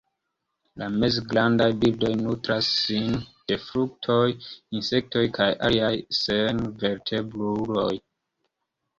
La mezgrandaj birdoj nutras sin de fruktoj, insektoj kaj aliaj senvertebruloj.